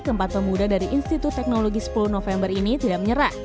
keempat pemuda dari institut teknologi sepuluh november ini tidak menyerah